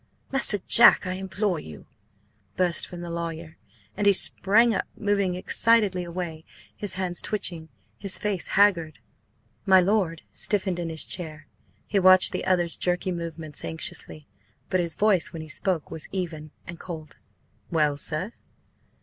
Master Jack! I implore you!" burst from the lawyer, and he sprang up, moving excitedly away, his hands twitching, his face haggard. My lord stiffened in his chair. He watched the other's jerky movements anxiously, but his voice when he spoke was even and cold. "Well, sir?"